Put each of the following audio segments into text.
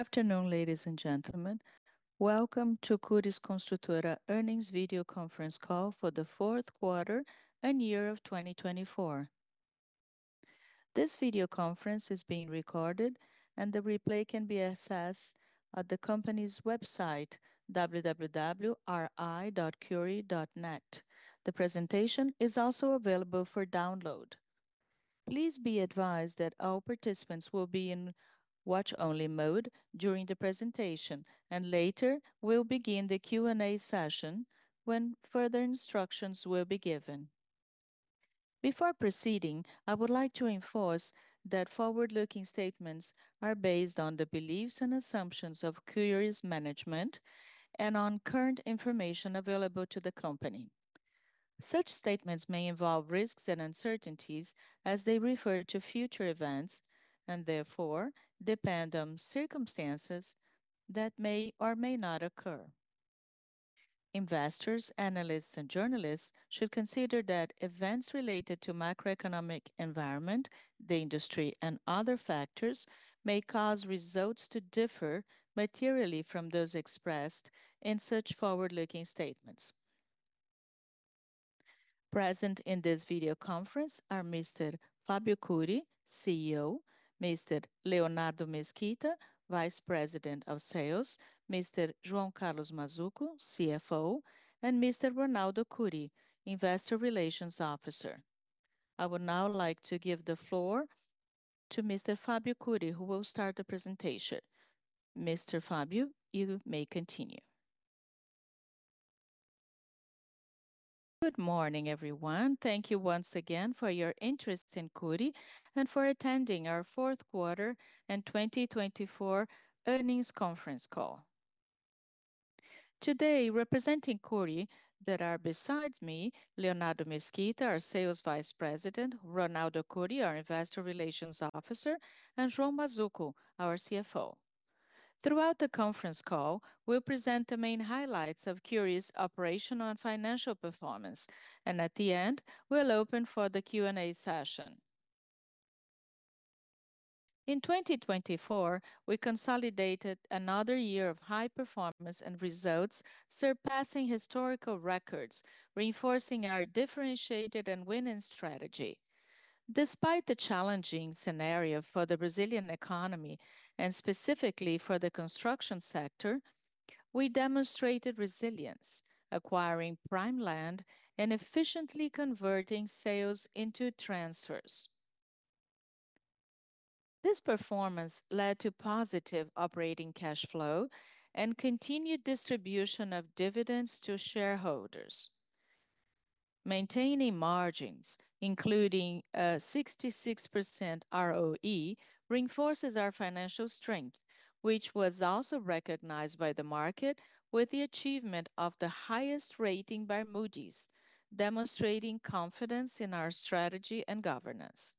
Good afternoon, ladies and gentlemen. Welcome to Cury Construtora e Incorporadora Earnings Video Conference Call for the Fourth Quarter and Year of 2024. This video conference is being recorded, and the replay can be accessed at the company's website, www.ri.cury.net. The presentation is also available for download. Please be advised that all participants will be in watch-only mode during the presentation, and later we'll begin the Q&A session when further instructions will be given. Before proceeding, I would like to enforce that forward-looking statements are based on the beliefs and assumptions of Cury's management and on current information available to the company. Such statements may involve risks and uncertainties as they refer to future events and therefore depend on circumstances that may or may not occur. Investors, analysts, and journalists should consider that events related to the macroeconomic environment, the industry, and other factors may cause results to differ materially from those expressed in such forward-looking statements. Present in this video conference are Mr. Fábio Cury, CEO, Mr. Leonardo Mesquita, Vice President of Sales, Mr. João Carlos Mazzuco, CFO, and Mr. Ronaldo Cury, Investor Relations Officer. I would now like to give the floor to Mr. Fábio Cury, who will start the presentation. Mr. Fábio, you may continue. Good morning, everyone. Thank you once again for your interest in Cury and for attending our fourth quarter and 2024 earnings conference call. Today, representing Cury, there are besides me, Leonardo Mesquita, our Sales Vice President, Ronaldo Cury, our Investor Relations Officer, and João Mazzuco, our CFO. Throughout the conference call, we'll present the main highlights of Cury's operational and financial performance, and at the end, we'll open for the Q&A session. In 2024, we consolidated another year of high performance and results surpassing historical records, reinforcing our differentiated and winning strategy. Despite the challenging scenario for the Brazilian economy and specifically for the construction sector, we demonstrated resilience, acquiring prime land and efficiently converting sales into transfers. This performance led to positive operating cash flow and continued distribution of dividends to shareholders. Maintaining margins, including a 66% ROE, reinforces our financial strength, which was also recognized by the market with the achievement of the highest rating by Moody's, demonstrating confidence in our strategy and governance.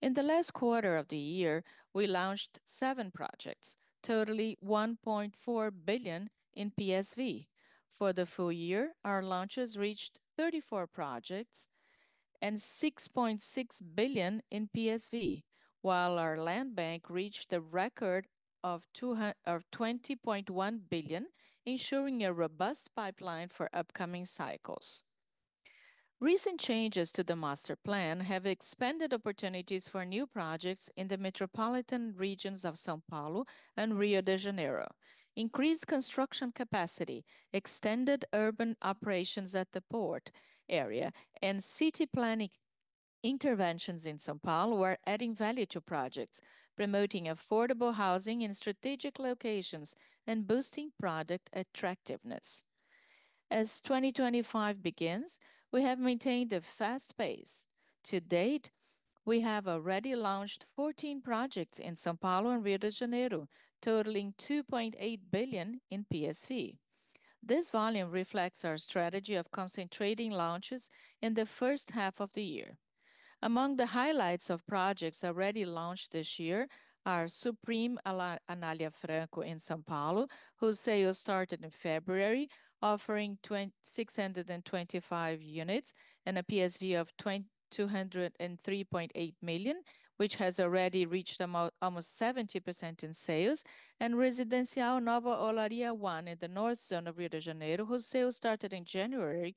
In the last quarter of the year, we launched seven projects, totaling 1.4 billion in PSV. For the full year, our launches reached 34 projects and 6.6 billion in PSV, while our land bank reached a record of 20.1 billion, ensuring a robust pipeline for upcoming cycles. Recent changes to the master plan have expanded opportunities for new projects in the metropolitan regions of São Paulo and Rio de Janeiro. Increased construction capacity, extended urban operations at the port area, and city planning interventions in São Paulo are adding value to projects, promoting affordable housing in strategic locations and boosting product attractiveness. As 2025 begins, we have maintained a fast pace. To date, we have already launched 14 projects in São Paulo and Rio de Janeiro, totaling 2.8 billion in PSV. This volume reflects our strategy of concentrating launches in the first half of the year. Among the highlights of projects already launched this year are Supreme Anália Franco in São Paulo, whose sales started in February, offering 625 units and a PSV of 203.8 million, which has already reached almost 70% in sales, and Residencial Nova Olaria One in the north zone of Rio de Janeiro, whose sales started in January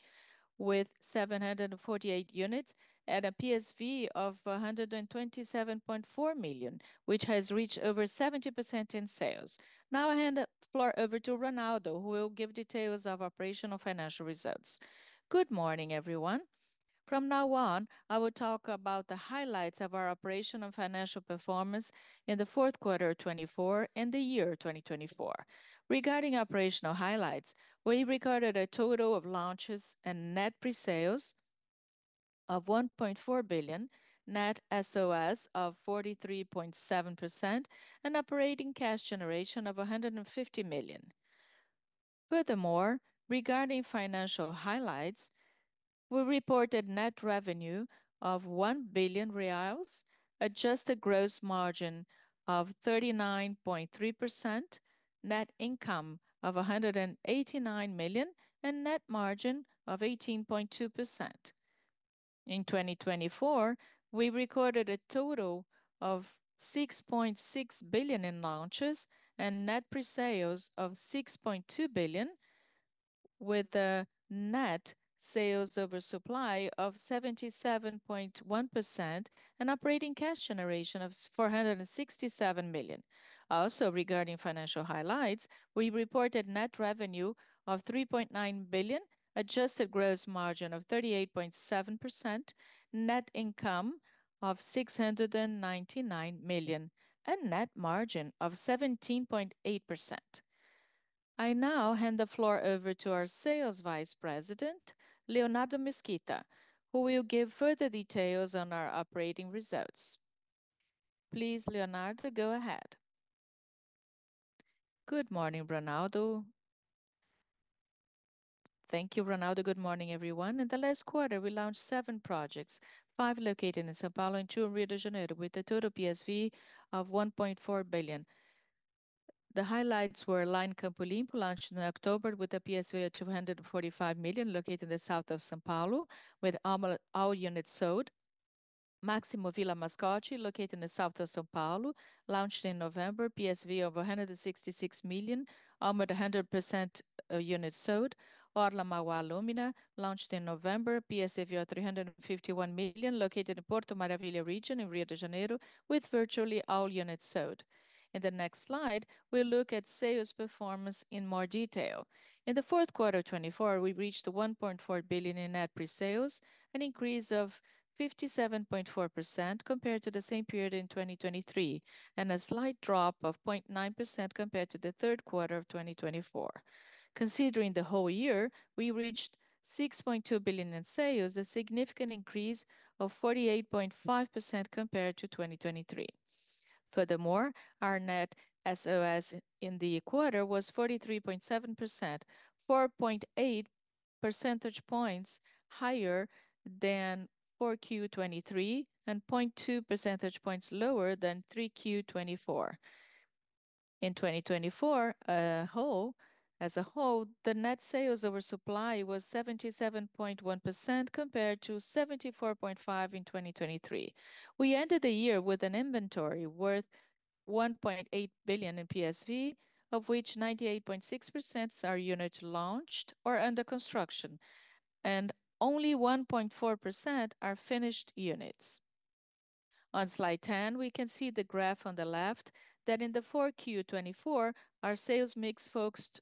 with 748 units and a PSV of 127.4 million, which has reached over 70% in sales. Now I hand the floor over to Ronaldo, who will give details of operational financial results. Good morning, everyone. From now on, I will talk about the highlights of our operational financial performance in the fourth quarter of 2024 and the year 2024. Regarding operational highlights, we recorded a total of launches and net pre-sales of 1.4 billion, net SOS of 43.7%, and operating cash generation of 150 million. Furthermore, regarding financial highlights, we reported net revenue of 1 billion reais, adjusted gross margin of 39.3%, net income of 189 million, and net margin of 18.2%. In 2024, we recorded a total of 6.6 billion in launches and net pre-sales of 6.2 billion, with a net sales oversupply of 77.1% and operating cash generation of 467 million. Also, regarding financial highlights, we reported net revenue of 3.9 billion, adjusted gross margin of 38.7%, net income of 699 million, and net margin of 17.8%. I now hand the floor over to our Sales Vice President, Leonardo Mesquita, who will give further details on our operating results. Please, Leonardo, go ahead. Good morning, Ronaldo. Thank you, Ronaldo. Good morning, everyone. In the last quarter, we launched seven projects, five located in São Paulo and two in Rio de Janeiro, with a total PSV of 1.4 billion. The highlights were Line Campo Limpo, launched in October with a PSV of 245 million, located in the south of São Paulo, with all units sold. Maximo Vila Mascote, located in the south of São Paulo, launched in November, PSV of 166 million, almost 100% units sold. Orla Mauá Lumina, launched in November, PSV of 351 million, located in Porto Maravilha region in Rio de Janeiro, with virtually all units sold. In the next slide, we'll look at sales performance in more detail. In the fourth quarter of 2024, we reached 1.4 billion in net pre-sales, an increase of 57.4% compared to the same period in 2023, and a slight drop of 0.9% compared to the third quarter of 2024. Considering the whole year, we reached 6.2 billion in sales, a significant increase of 48.5% compared to 2023. Furthermore, our net SOS in the quarter was 43.7%, 4.8 percentage points higher than 4Q 2023 and 0.2 percentage points lower than 3Q 2024. In 2024, as a whole, the net sales oversupply was 77.1% compared to 74.5% in 2023. We ended the year with an inventory worth 1.8 billion in PSV, of which 98.6% are units launched or under construction, and only 1.4% are finished units. On slide 10, we can see the graph on the left that in 4Q 2024, our sales mix focused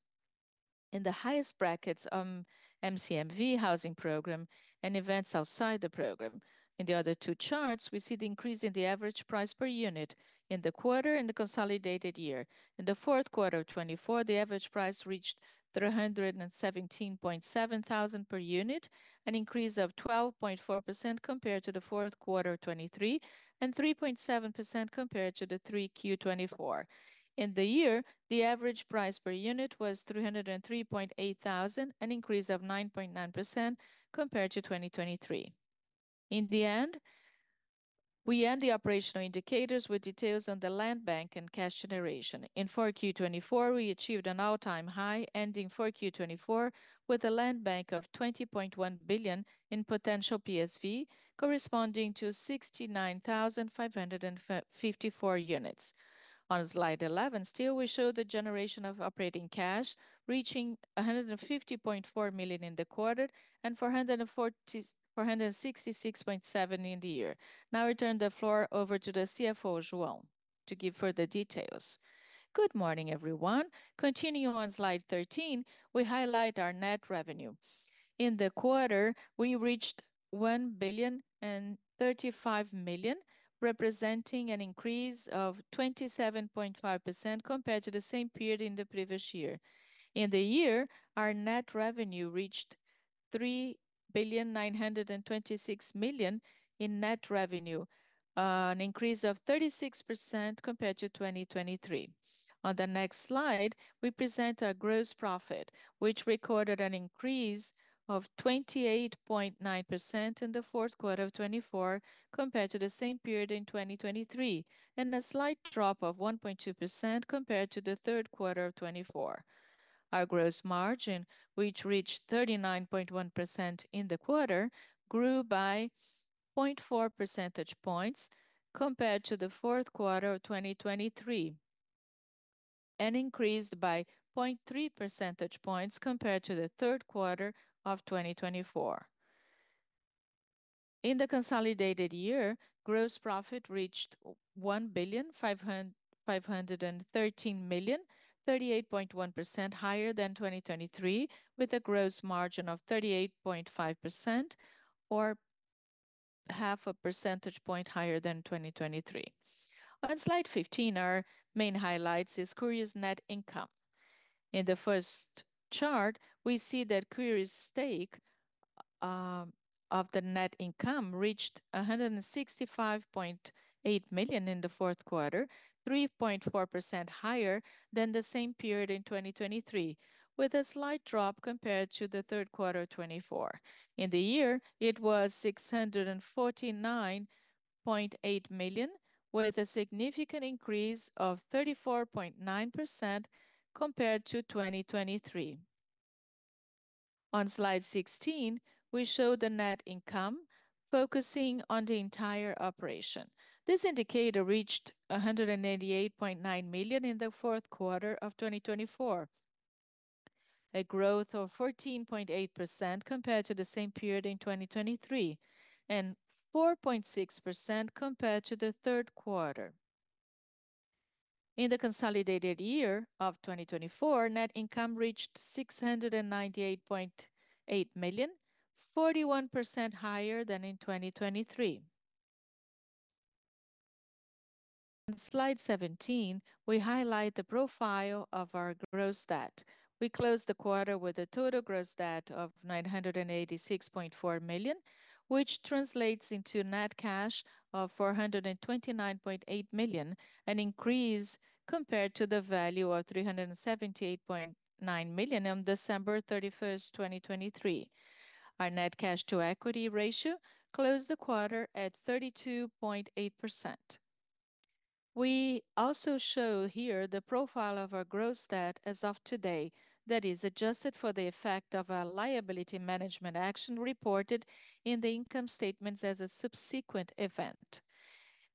in the highest brackets on the MCMV housing program and events outside the program. In the other two charts, we see the increase in the average price per unit in the quarter and the consolidated year. In the fourth quarter of 2024, the average price reached 317,700 per unit, an increase of 12.4% compared to the fourth quarter of 2023 and 3.7% compared to 3Q 2024. In the year, the average price per unit was 303,800, an increase of 9.9% compared to 2023. In the end, we end the operational indicators with details on the land bank and cash generation. In 4Q 2024, we achieved an all-time high, ending 4Q 2024 with a land bank of 20.1 billion in potential PSV, corresponding to 69,554 units. On slide 11, still, we show the generation of operating cash reaching 150.4 million in the quarter and 466.7 million in the year. Now I turn the floor over to the CFO, João, to give further details. Good morning, everyone. Continuing on slide 13, we highlight our net revenue. In the quarter, we reached 1.035 billion, representing an increase of 27.5% compared to the same period in the previous year. In the year, our net revenue reached 3 billion 926 million in net revenue, an increase of 36% compared to 2023. On the next slide, we present our gross profit, which recorded an increase of 28.9% in the fourth quarter of 2024 compared to the same period in 2023, and a slight drop of 1.2% compared to the third quarter of 2024. Our gross margin, which reached 39.1% in the quarter, grew by 0.4 percentage points compared to the fourth quarter of 2023, and increased by 0.3 percentage points compared to the third quarter of 2024. In the consolidated year, gross profit reached 1 billion 513 million, 38.1% higher than 2023, with a gross margin of 38.5% or half a percentage point higher than 2023. On slide 15, our main highlights is Cury's net income. In the first chart, we see that Cury's stake of the net income reached 165.8 million in the fourth quarter, 3.4% higher than the same period in 2023, with a slight drop compared to the third quarter of 2024. In the year, it was 649.8 million, with a significant increase of 34.9% compared to 2023. On slide 16, we show the net income focusing on the entire operation. This indicator reached 188.9 million in the fourth quarter of 2024, a growth of 14.8% compared to the same period in 2023, and 4.6% compared to the third quarter. In the consolidated year of 2024, net income reached 698.8 million, 41% higher than in 2023. On slide 17, we highlight the profile of our gross debt. We closed the quarter with a total gross debt of 986.4 million, which translates into net cash of 429.8 million, an increase compared to the value of 378.9 million on December 31, 2023. Our net cash to equity ratio closed the quarter at 32.8%. We also show here the profile of our gross debt as of today, that is adjusted for the effect of our liability management action reported in the income statements as a subsequent event.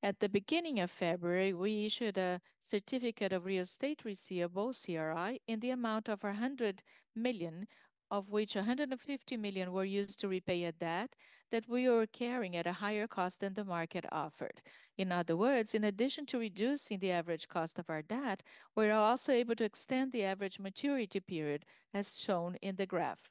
At the beginning of February, we issued a certificate of real estate receivable, CRI, in the amount of 100 million, of which 150 million were used to repay a debt that we were carrying at a higher cost than the market offered. In other words, in addition to reducing the average cost of our debt, we are also able to extend the average maturity period, as shown in the graph.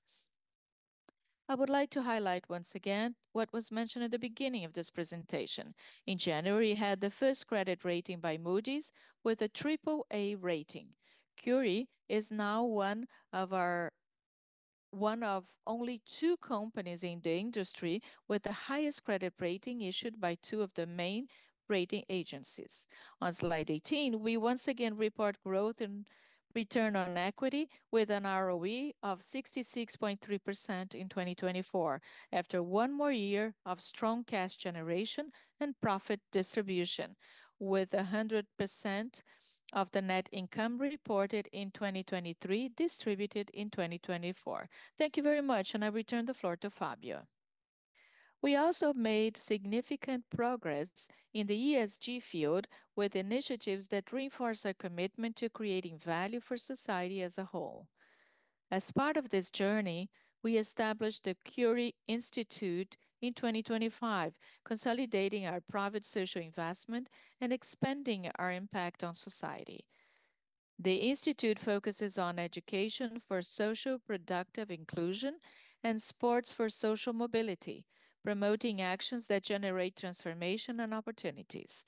I would like to highlight once again what was mentioned at the beginning of this presentation. In January, we had the first credit rating by Moody's with a AAA rating. Cury is now one of only two companies in the industry with the highest credit rating issued by two of the main rating agencies. On slide 18, we once again report growth in return on equity with an ROE of 66.3% in 2024, after one more year of strong cash generation and profit distribution, with 100% of the net income reported in 2023 distributed in 2024. Thank you very much, and I return the floor to Fábio. We also made significant progress in the ESG field with initiatives that reinforce our commitment to creating value for society as a whole. As part of this journey, we established the Cury Institute in 2025, consolidating our private social investment and expanding our impact on society. The Institute focuses on education for social productive inclusion and sports for social mobility, promoting actions that generate transformation and opportunities.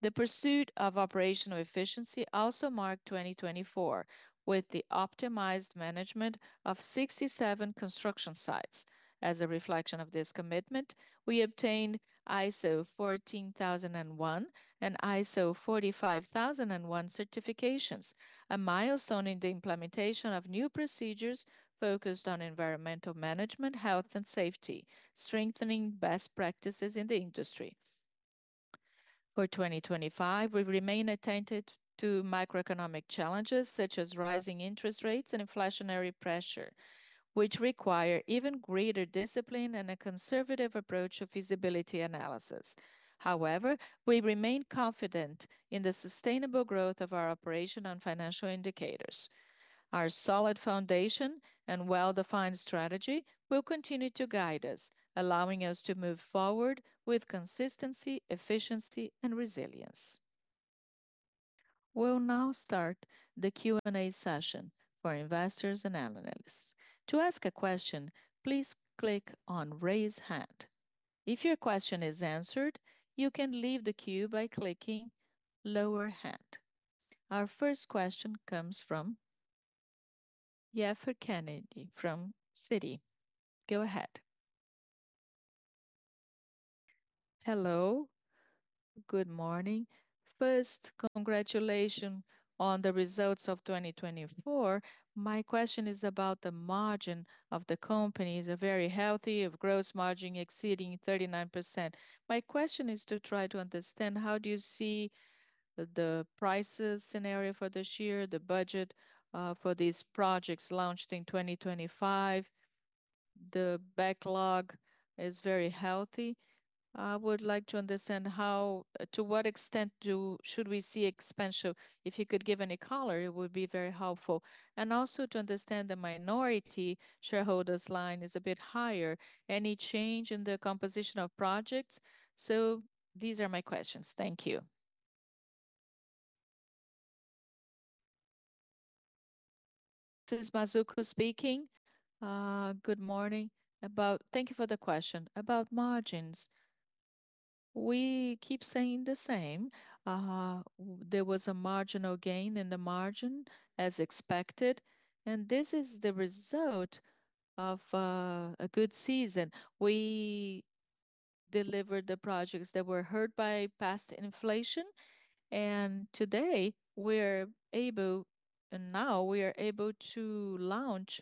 The pursuit of operational efficiency also marked 2024 with the optimized management of 67 construction sites. As a reflection of this commitment, we obtained ISO 14001 and ISO 45001 certifications, a milestone in the implementation of new procedures focused on environmental management, health, and safety, strengthening best practices in the industry. For 2025, we remain attentive to macroeconomic challenges such as rising interest rates and inflationary pressure, which require even greater discipline and a conservative approach of feasibility analysis. However, we remain confident in the sustainable growth of our operation on financial indicators. Our solid foundation and well-defined strategy will continue to guide us, allowing us to move forward with consistency, efficiency, and resilience. We'll now start the Q&A session for investors and analysts. To ask a question, please click on Raise Hand. If your question is answered, you can leave the queue by clicking Lower Hand. Our first question comes from Ygor Kennedy from Citi. Go ahead. Hello. Good morning. First, congratulations on the results of 2024. My question is about the margin of the companies. They're very healthy, with gross margin exceeding 39%. My question is to try to understand how do you see the prices scenario for this year, the budget for these projects launched in 2025. The backlog is very healthy. I would like to understand how, to what extent should we see expansion? If you could give any color, it would be very helpful. Also, to understand, the minority shareholders' line is a bit higher. Any change in the composition of projects? These are my questions. Thank you. This is Mazzuco speaking. Good morning. Thank you for the question. About margins, we keep saying the same. There was a marginal gain in the margin, as expected, and this is the result of a good season. We delivered the projects that were hurt by past inflation, and today we are able to launch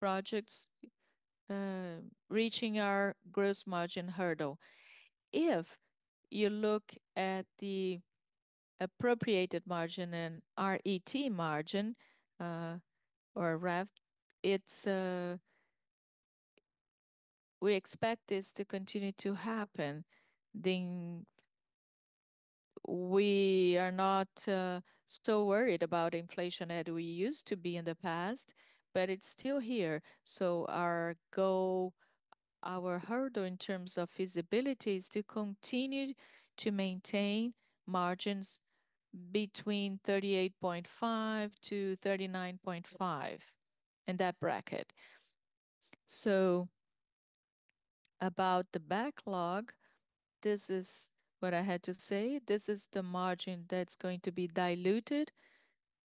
projects reaching our gross margin hurdle. If you look at the appropriated margin and RET margin, we expect this to continue to happen. We are not so worried about inflation as we used to be in the past, but it is still here. Our goal, our hurdle in terms of feasibility, is to continue to maintain margins between 38.5%-39.5% in that bracket. About the backlog, this is what I had to say. This is the margin that's going to be diluted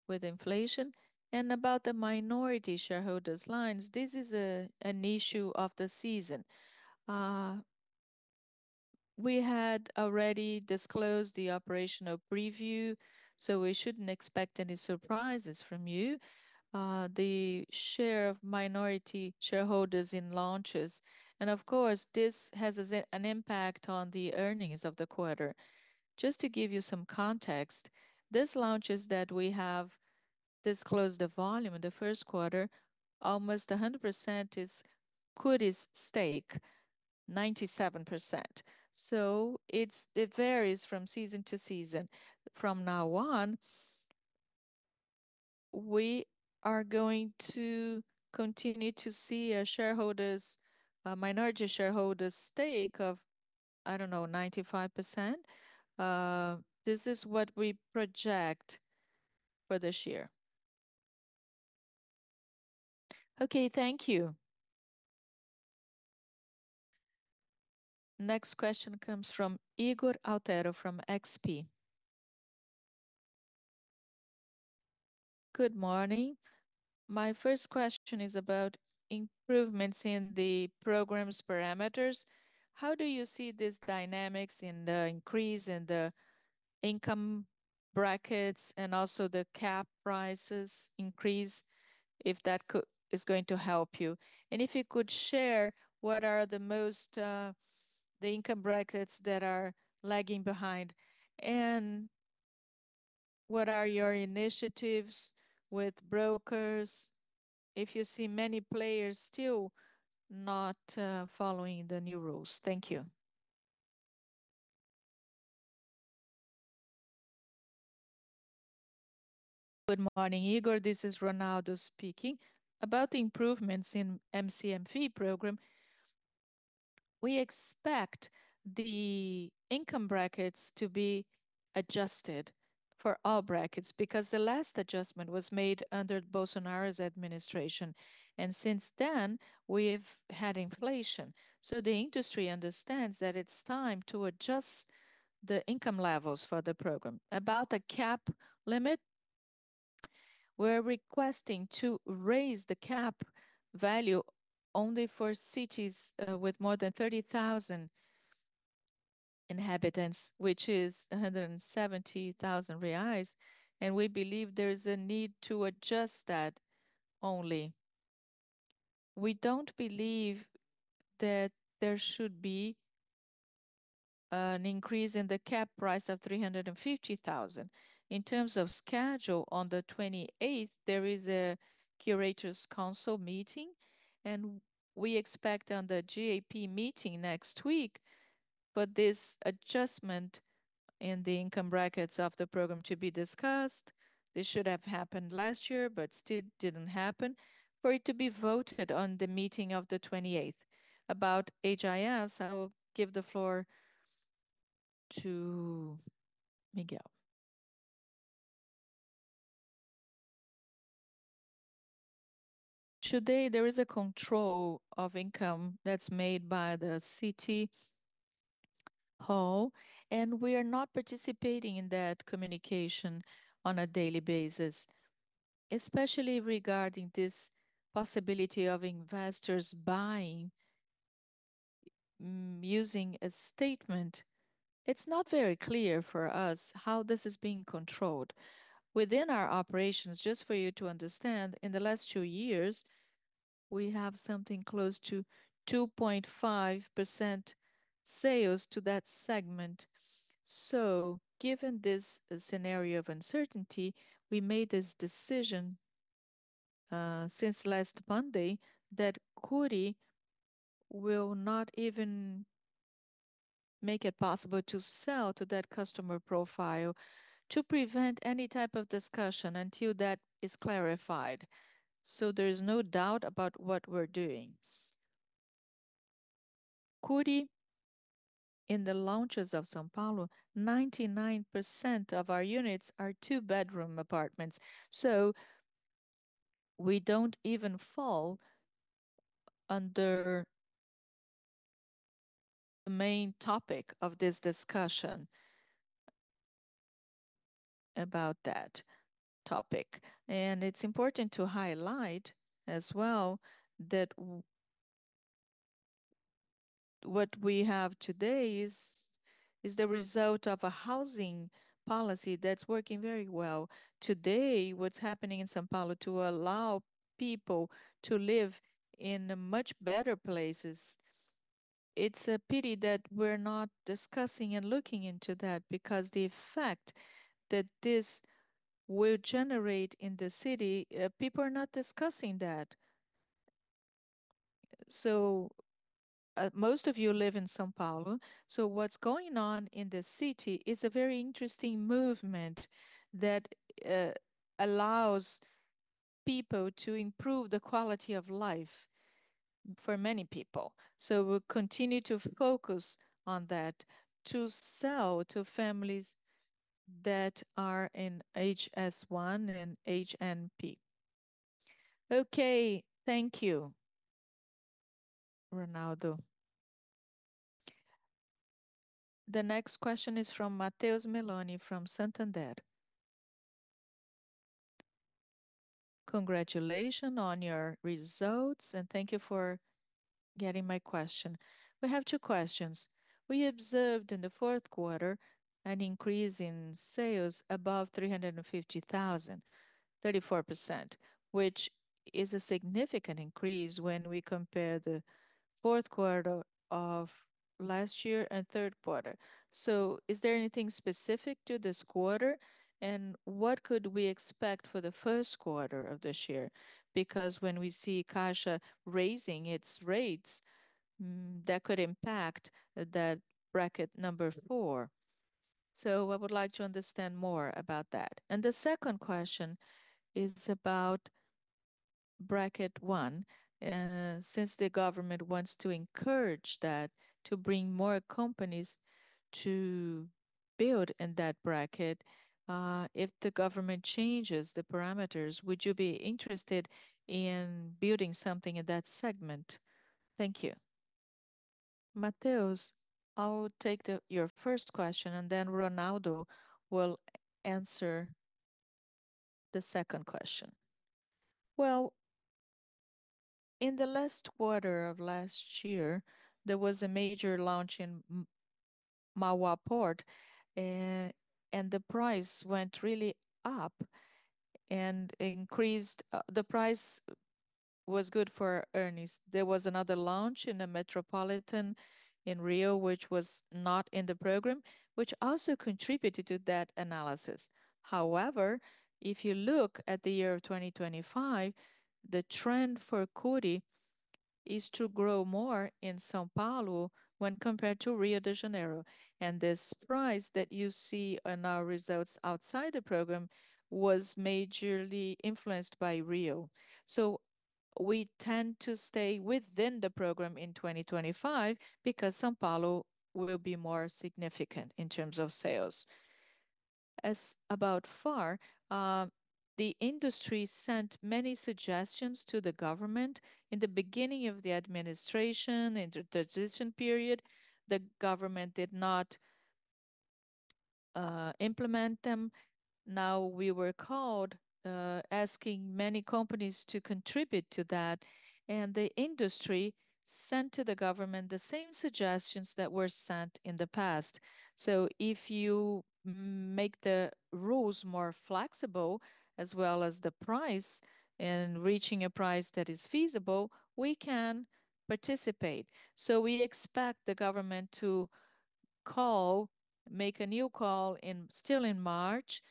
with inflation. About the minority shareholders' lines, this is an issue of the season. We had already disclosed the operational preview, so we shouldn't expect any surprises from you. The share of minority shareholders in launches, and of course, this has an impact on the earnings of the quarter. Just to give you some context, these launches that we have disclosed the volume in the first quarter, almost 100% is Cury's stake, 97%. It varies from season to season. From now on, we are going to continue to see a shareholders, minority shareholders' stake of, I don't know, 95%. This is what we project for this year. Okay, thank you. Next question comes from Ygor Altero from XP. Good morning. My first question is about improvements in the program's parameters. How do you see this dynamics in the increase in the income brackets and also the cap prices increase, if that is going to help you? If you could share what are the most, the income brackets that are lagging behind, and what are your initiatives with brokers if you see many players still not following the new rules? Thank you. Good morning, Igor. This is Ronaldo speaking. About the improvements in the MCMV program, we expect the income brackets to be adjusted for all brackets because the last adjustment was made under Bolsonaro's administration, and since then, we've had inflation. The industry understands that it's time to adjust the income levels for the program. About the cap limit, we're requesting to raise the cap value only for cities with more than 30,000 inhabitants, which is 170,000 reais, and we believe there's a need to adjust that only. We don't believe that there should be an increase in the cap price of 350,000. In terms of schedule, on the 28th, there is a Curators Council meeting, and we expect on the GAP meeting next week, but this adjustment in the income brackets of the program to be discussed. This should have happened last year, but still didn't happen for it to be voted on the meeting of the 28th. About HIS, I'll give the floor to Mesquita. Today, there is a control of income that's made by the city hall, and we are not participating in that communication on a daily basis, especially regarding this possibility of investors buying using a statement. It's not very clear for us how this is being controlled. Within our operations, just for you to understand, in the last two years, we have something close to 2.5% sales to that segment. Given this scenario of uncertainty, we made this decision since last Monday that Cury will not even make it possible to sell to that customer profile to prevent any type of discussion until that is clarified. There is no doubt about what we're doing. Cury, in the launches of São Paulo, 99% of our units are two-bedroom apartments. We do not even fall under the main topic of this discussion about that topic. It is important to highlight as well that what we have today is the result of a housing policy that's working very well. Today, what's happening in São Paulo to allow people to live in much better places, it's a pity that we're not discussing and looking into that because the effect that this will generate in the city, people are not discussing that. Most of you live in São Paulo, so what's going on in the city is a very interesting movement that allows people to improve the quality of life for many people. We'll continue to focus on that to sell to families that are in HIS 1 and HMP. Okay, thank you, Ronaldo. The next question is from Matheus Meloni from Santander. Congratulations on your results, and thank you for getting my question. We have two questions. We observed in the fourth quarter an increase in sales above 350,000, 34%, which is a significant increase when we compare the fourth quarter of last year and third quarter. Is there anything specific to this quarter, and what could we expect for the first quarter of this year? Because when we see Caixa raising its rates, that could impact that bracket number four. I would like to understand more about that. The second question is about bracket one. Since the government wants to encourage that to bring more companies to build in that bracket, if the government changes the parameters, would you be interested in building something in that segment? Thank you. Mateus, I'll take your first question, and then Ronaldo will answer the second question. In the last quarter of last year, there was a major launch in Mauá Port, and the price went really up and increased. The price was good for earnings. There was another launch in the Metropolitan in Rio, which was not in the program, which also contributed to that analysis. However, if you look at the year of 2025, the trend for Cury is to grow more in São Paulo when compared to Rio de Janeiro. This price that you see in our results outside the program was majorly influenced by Rio. We tend to stay within the program in 2025 because São Paulo will be more significant in terms of sales. As about far, the industry sent many suggestions to the government in the beginning of the administration, in the transition period. The government did not implement them. Now we were called asking many companies to contribute to that, and the industry sent to the government the same suggestions that were sent in the past. If you make the rules more flexible, as well as the price and reaching a price that is feasible, we can participate. We expect the government to make a new call still in March,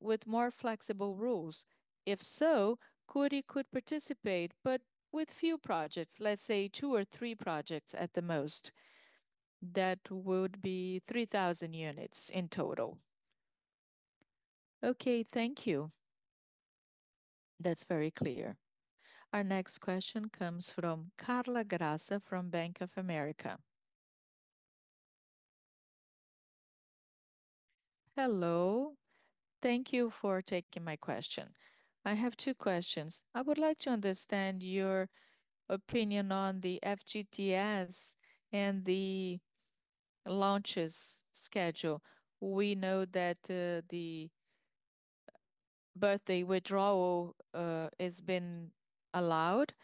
with more flexible rules. If so, Cury could participate, but with few projects, let's say two or three projects at the most. That would be 3,000 units in total. Okay, thank you. That's very clear. Our next question comes from Carla Graça from Bank of America. Hello. Thank you for taking my question. I have two questions. I would like to understand your opinion on the FGTS and the launches schedule. We know that the birthday withdrawal has been allowed.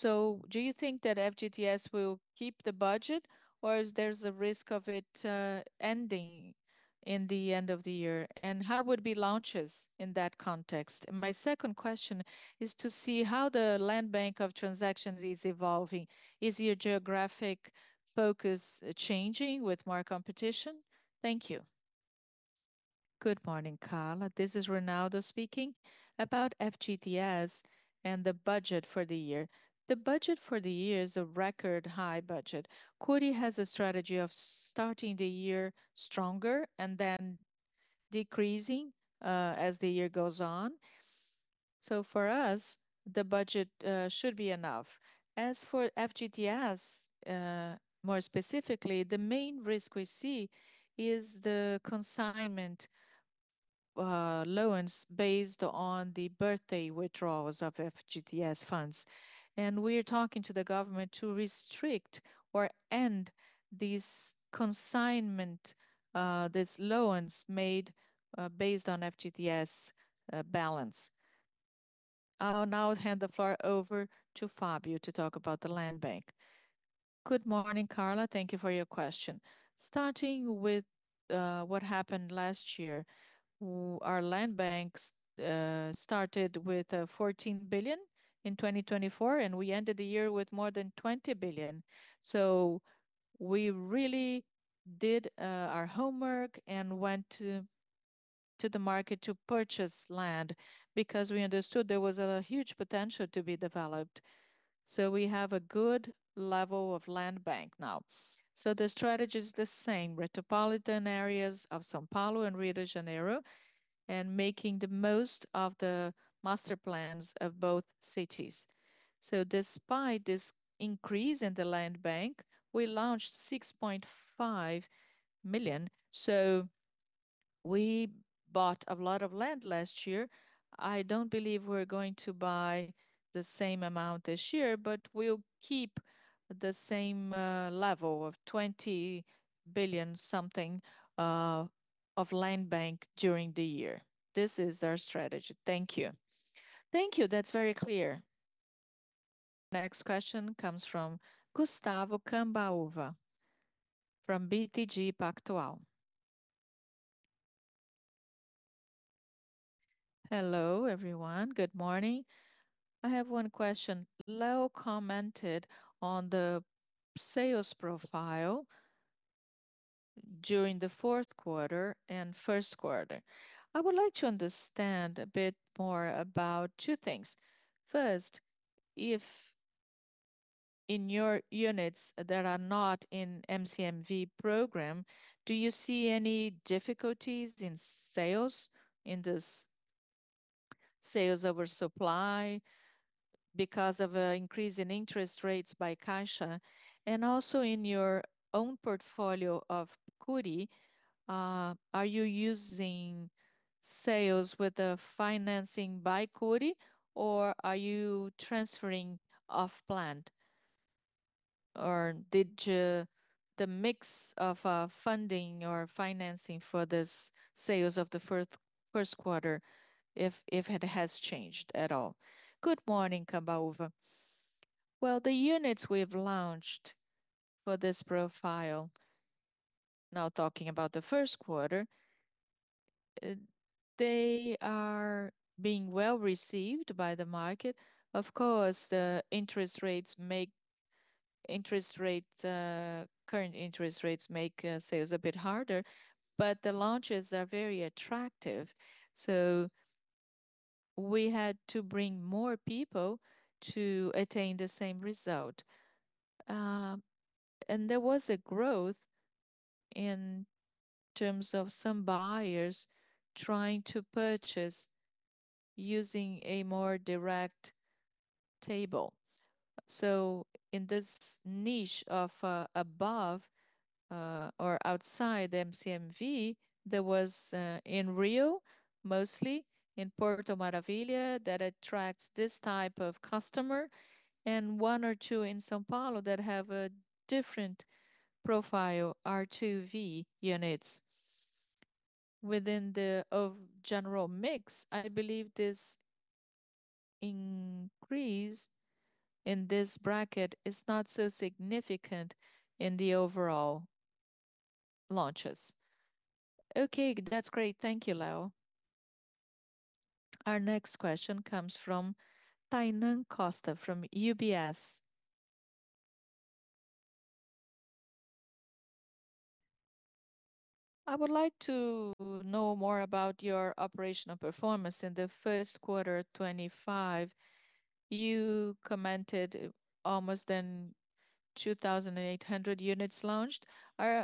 Do you think that FGTS will keep the budget, or is there a risk of it ending at the end of the year? How would launches be in that context? My second question is to see how the Land Bank of Transactions is evolving. Is your geographic focus changing with more competition? Thank you. Good morning, Carla. This is Ronaldo speaking about FGTS and the budget for the year. The budget for the year is a record high budget. Cury has a strategy of starting the year stronger and then decreasing as the year goes on. For us, the budget should be enough. As for FGTS, more specifically, the main risk we see is the consignment loans based on the birthday withdrawals of FGTS funds. We are talking to the government to restrict or end these consignment, these loans made based on FGTS balance. I'll now hand the floor over to Fábio to talk about the Land Bank. Good morning, Carla. Thank you for your question. Starting with what happened last year, our Land Banks started with 14 billion in 2024, and we ended the year with more than 20 billion. We really did our homework and went to the market to purchase land because we understood there was a huge potential to be developed. We have a good level of Land Bank now. The strategy is the same, metropolitan areas of São Paulo and Rio de Janeiro, and making the most of the master plans of both cities. Despite this increase in the Land Bank, we launched 6.5 billion. We bought a lot of land last year. I do not believe we are going to buy the same amount this year, but we will keep the same level of 20 billion something of Land Bank during the year. This is our strategy. Thank you. Thank you. That is very clear. Next question comes from Gustavo Cambaúva from BTG Pactual. Hello everyone. Good morning. I have one question. Leo commented on the sales profile during the fourth quarter and first quarter. I would like to understand a bit more about two things. First, if in your units that are not in MCMV program, do you see any difficulties in sales in this sales oversupply because of an increase in interest rates by Caixa? Also, in your own portfolio of Cury, are you using sales with the financing by Cury, or are you transferring off-plan? Or did the mix of funding or financing for this sales of the first quarter, if it has changed at all? Good morning, Cambaúva. The units we've launched for this profile, now talking about the first quarter, they are being well received by the market. Of course, the interest rates, current interest rates make sales a bit harder, but the launches are very attractive. We had to bring more people to attain the same result. There was a growth in terms of some buyers trying to purchase using a more direct table. In this niche of above or outside MCMV, there was in Rio mostly, in Porto Maravilha, that attracts this type of customer, and one or two in São Paulo that have a different profile, R2V units. Within the general mix, I believe this increase in this bracket is not so significant in the overall launches. Okay, that's great. Thank you, Leo. Our next question comes from Tainan Costa from UBS. I would like to know more about your operational performance in the first quarter 2025. You commented almost 2,800 units launched.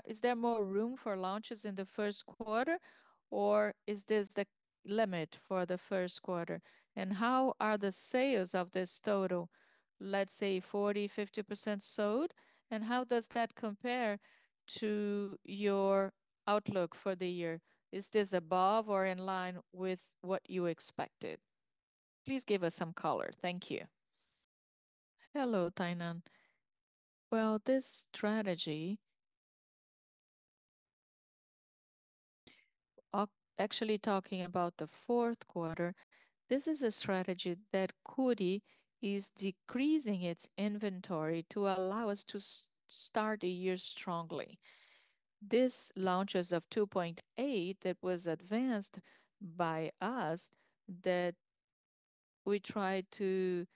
Is there more room for launches in the first quarter, or is this the limit for the first quarter? How are the sales of this total, let's say 40%-50% sold, and how does that compare to your outlook for the year? Is this above or in line with what you expected? Please give us some color. Thank you. Hello, Tainan. Actually, talking about the fourth quarter, this is a strategy that Cury is decreasing its inventory to allow us to start the year strongly. These launches of 2.8 billion that was advanced by us, that we tried to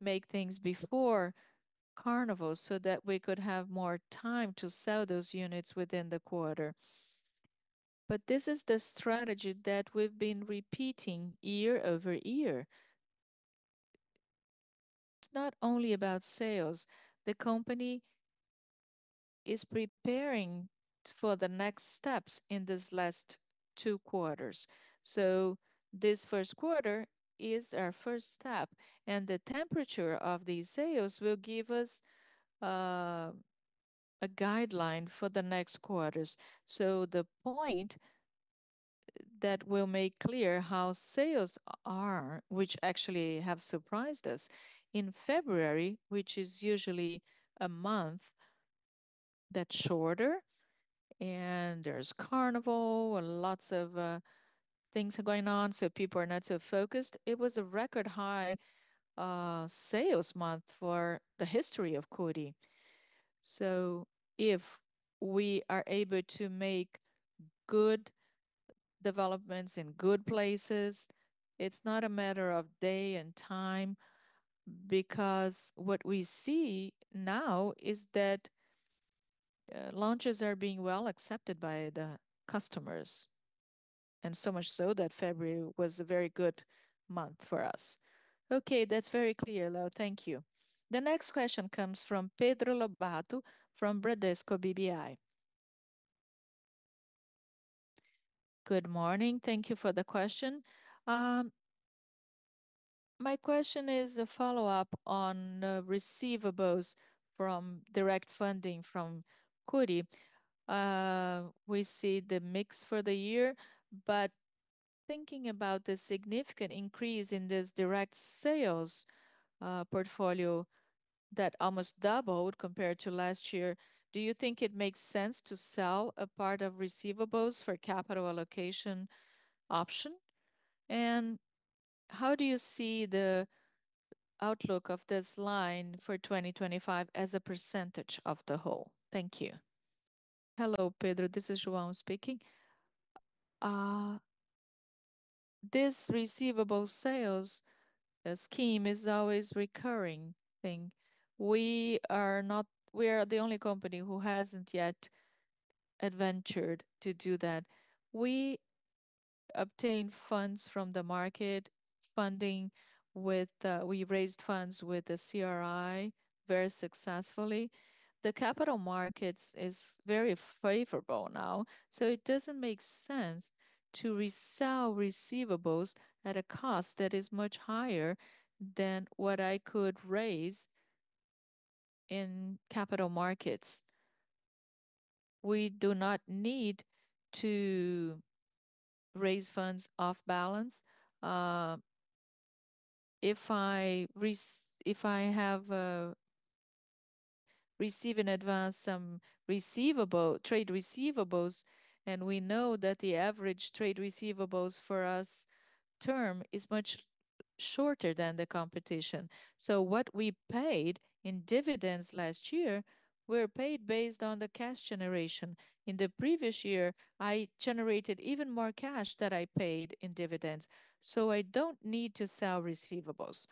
make things before Carnival so that we could have more time to sell those units within the quarter. This is the strategy that we've been repeating year over year. It's not only about sales. The company is preparing for the next steps in these last two quarters. This first quarter is our first step, and the temperature of these sales will give us a guideline for the next quarters. The point that will make clear how sales are, which actually have surprised us in February, which is usually a month that's shorter, and there's Carnival and lots of things are going on, so people are not so focused. It was a record high sales month for the history of Cury. If we are able to make good developments in good places, it's not a matter of day and time because what we see now is that launches are being well accepted by the customers, and so much so that February was a very good month for us. Okay, that's very clear, Leo. Thank you. The next question comes from Pedro Lobato from Bradesco BBI. Good morning. Thank you for the question. My question is a follow-up on receivables from direct funding from Cury. We see the mix for the year, but thinking about the significant increase in this direct sales portfolio that almost doubled compared to last year, do you think it makes sense to sell a part of receivables for capital allocation option? How do you see the outlook of this line for 2025 as a percentage of the whole? Thank you. Hello, Pedro. This is João speaking. This receivable sales scheme is always a recurring thing. We are not, we are the only company who has not yet adventured to do that. We obtain funds from the market funding with, we raised funds with the CRI very successfully. The capital markets is very favorable now, so it does not make sense to resell receivables at a cost that is much higher than what I could raise in capital markets. We do not need to raise funds off balance. If I have received in advance some receivable trade receivables, and we know that the average trade receivables for us term is much shorter than the competition. What we paid in dividends last year, we paid based on the cash generation. In the previous year, I generated even more cash that I paid in dividends. I do not need to sell receivables.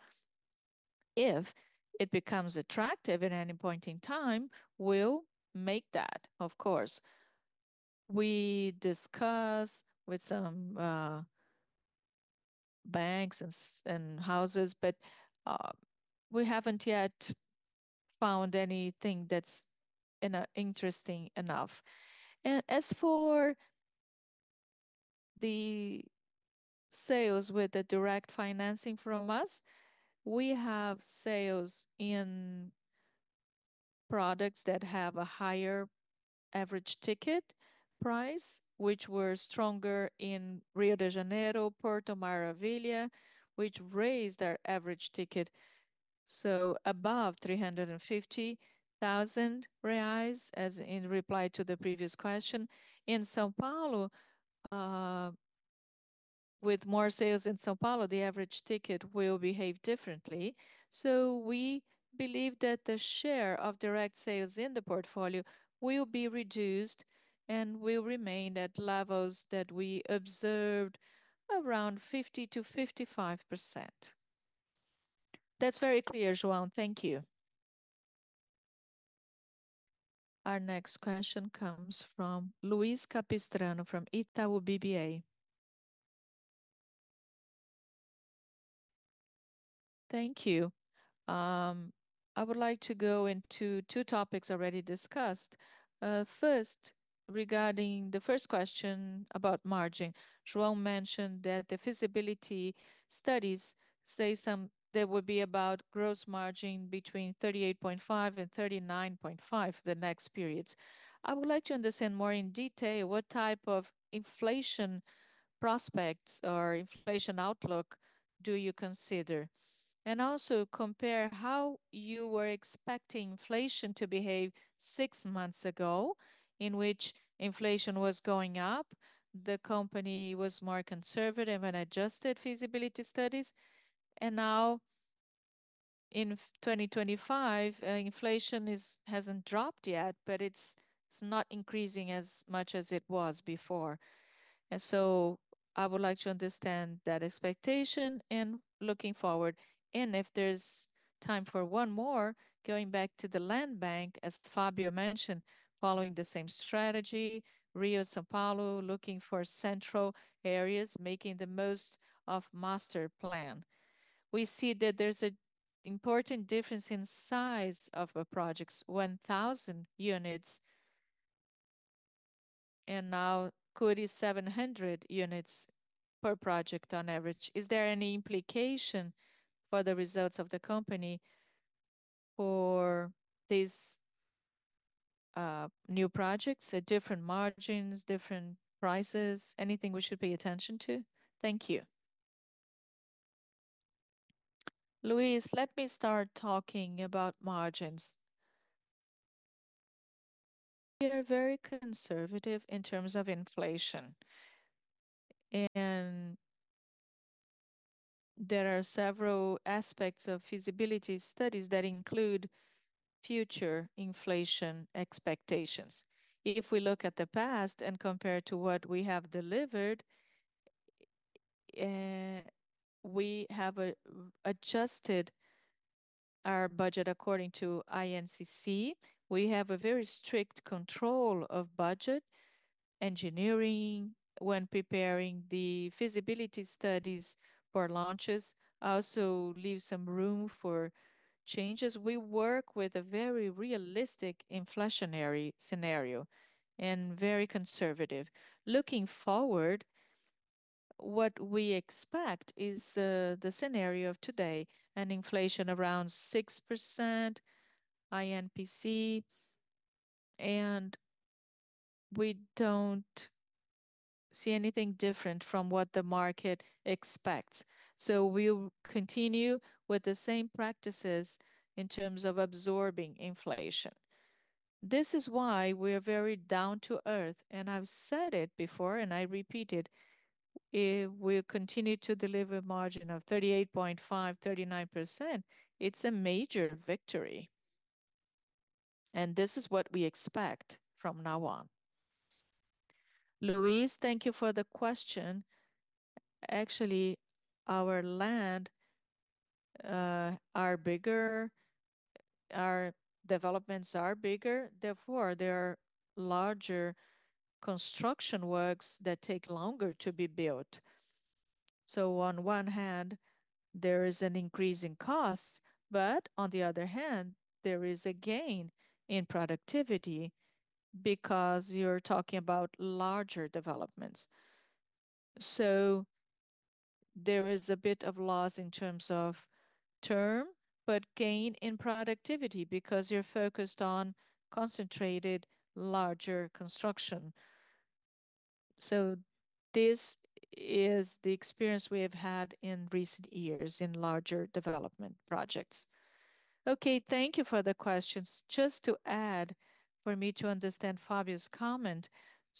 If it becomes attractive at any point in time, we will make that, of course. We discuss with some banks and houses, but we have not yet found anything that is interesting enough. As for the sales with the direct financing from us, we have sales in products that have a higher average ticket price, which were stronger in Rio de Janeiro, Porto Maravilha, which raised their average ticket to above 350,000 reais, as in reply to the previous question. In São Paulo, with more sales in São Paulo, the average ticket will behave differently. We believe that the share of direct sales in the portfolio will be reduced and will remain at levels that we observed around 50-55%. That is very clear, João. Thank you. Our next question comes from Luis Capistrano from Itaú BBA. Thank you. I would like to go into two topics already discussed. First, regarding the first question about margin, João mentioned that the feasibility studies say there will be about gross margin between 38.5-39.5% for the next periods. I would like to understand more in detail what type of inflation prospects or inflation outlook you consider. Also, compare how you were expecting inflation to behave six months ago in which inflation was going up, the company was more conservative and adjusted feasibility studies. Now in 2025, inflation has not dropped yet, but it is not increasing as much as it was before. I would like to understand that expectation and looking forward. If there is time for one more, going back to the Land Bank, as Fábio mentioned, following the same strategy, Rio-São Paulo looking for central areas, making the most of master plan. We see that there is an important difference in size of projects, 1,000 units, and now Cury 700 units per project on average. Is there any implication for the results of the company for these new projects, different margins, different prices, anything we should pay attention to? Thank you. Luis, let me start talking about margins. We are very conservative in terms of inflation. There are several aspects of feasibility studies that include future inflation expectations. If we look at the past and compare to what we have delivered, we have adjusted our budget according to INCC. We have a very strict control of budget engineering when preparing the feasibility studies for launches. I also leave some room for changes. We work with a very realistic inflationary scenario and very conservative. Looking forward, what we expect is the scenario of today, an inflation around 6% INPC, and we do not see anything different from what the market expects. We will continue with the same practices in terms of absorbing inflation. This is why we are very down to earth, and I have said it before and I repeat it. If we continue to deliver a margin of 38.5-39%, it is a major victory. This is what we expect from now on. Luis, thank you for the question. Actually, our land, our developments are bigger. Therefore, there are larger construction works that take longer to be built. On one hand, there is an increase in costs, but on the other hand, there is a gain in productivity because you're talking about larger developments. There is a bit of loss in terms of term, but gain in productivity because you're focused on concentrated larger construction. This is the experience we have had in recent years in larger development projects. Okay, thank you for the questions. Just to add for me to understand Fábio's comment.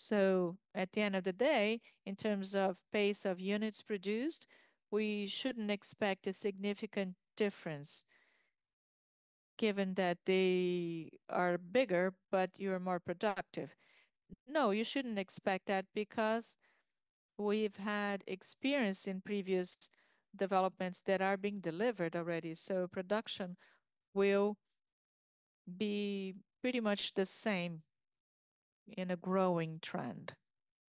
At the end of the day, in terms of pace of units produced, we shouldn't expect a significant difference given that they are bigger, but you're more productive. No, you shouldn't expect that because we've had experience in previous developments that are being delivered already. Production will be pretty much the same in a growing trend.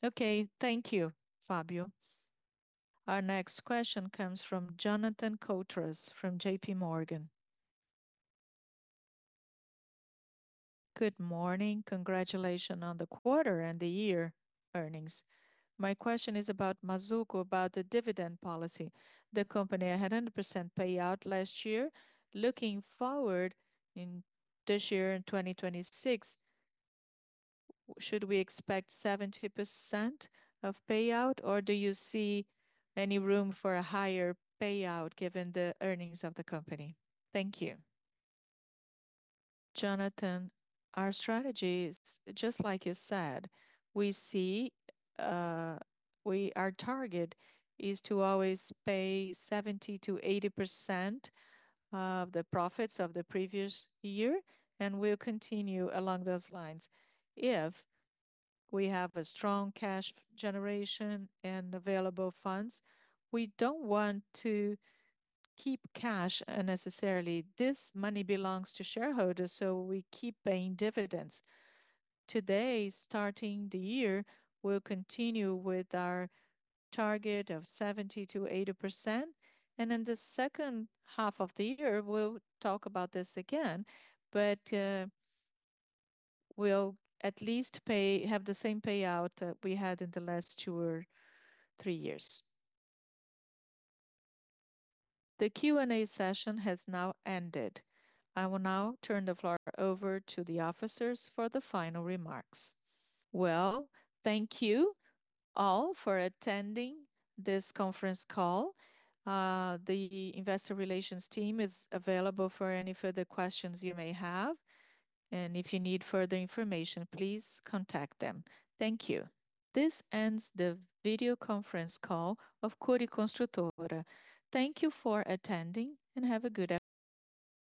Okay, thank you, Fábio. Our next question comes from Jonathan Koutras from JPMorgan. Good morning. Congratulations on the quarter and the year earnings. My question is about Mazzuco, about the dividend policy. The company had 100% payout last year. Looking forward in this year in 2026, should we expect 70% of payout, or do you see any room for a higher payout given the earnings of the company? Thank you. Jonathan, our strategy is just like you said. We see our target is to always pay 70-80% of the profits of the previous year, and we'll continue along those lines. If we have a strong cash generation and available funds, we don't want to keep cash unnecessarily. This money belongs to shareholders, so we keep paying dividends. Today, starting the year, we'll continue with our target of 70-80%. In the second half of the year, we'll talk about this again, but we'll at least have the same payout that we had in the last two or three years. The Q&A session has now ended. I will now turn the floor over to the officers for the final remarks. Thank you all for attending this conference call. The investor relations team is available for any further questions you may have. If you need further information, please contact them. Thank you. This ends the video conference call of Cury Construtora. Thank you for attending and have a good.